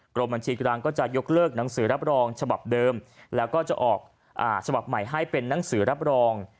กรมบัญชีกลางก็จะยกเลิกหนังสือรับรองฉบับเดิมแล้วก็จะออกฉบับใหม่ให้เป็นนังสือรับรอง